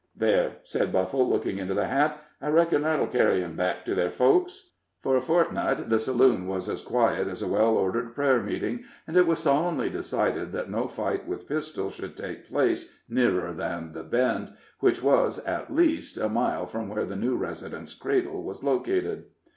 "There," said Buffle, looking into the hat, "I reckon that'll kerry 'em back to their folks." For a fortnight the saloon was as quiet as a well ordered prayer meeting, and it was solemnly decided that no fight with pistols should take place nearer than The Bend, which was, at least, a mile from where the new resident's cradle was located.